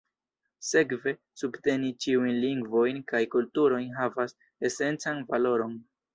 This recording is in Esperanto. Sekve, subteni ĉiujn lingvojn kaj kulturojn havas esencan valoron.